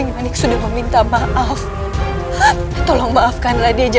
padahal ibu enggak tahu